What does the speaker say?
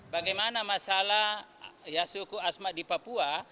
bagaimana masalah suku asmat di papua